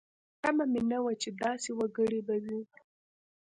تمه مې نه وه چې داسې وګړي به وي.